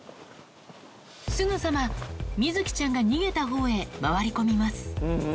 すぐさま、みづきちゃんが逃げたほうへ回り込みます。